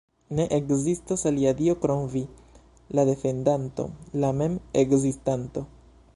Ne ekzistas alia Dio krom Vi, la Defendanto, la Mem-Ekzistanto.